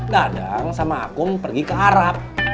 dadang sama akum pergi ke arab